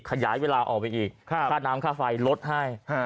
ขยายเวลาออกไปอีกค่าน้ำค่าไฟลดให้